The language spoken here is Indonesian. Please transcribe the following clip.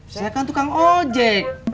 saya kan tukang ojek